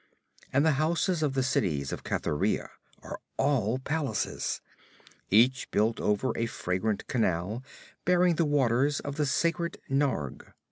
And the houses of the cities of Cathuria are all palaces, each built over a fragrant canal bearing the waters of the sacred Narg.